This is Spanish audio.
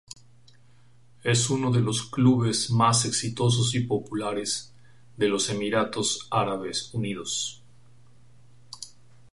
Es uno de los clubes más exitosos y populares de los Emiratos Árabes Unidos.